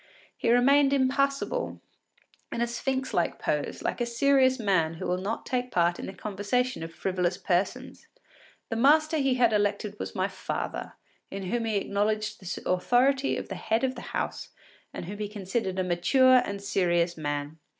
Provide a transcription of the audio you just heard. He remained impassible in a sphinx like pose, like a serious man who will not take part in the conversation of frivolous persons. The master he had elected was my father, in whom he acknowledged the authority of the head of the house, and whom he considered a mature and serious man.